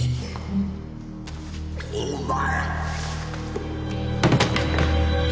お前！